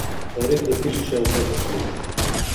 تاریخ د پېښې شا او خوا کتلي شي.